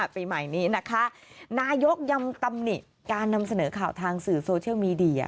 ปีใหม่นี้นะคะนายกยังตำหนิการนำเสนอข่าวทางสื่อโซเชียลมีเดีย